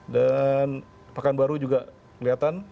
dan pakanbaru juga kelihatan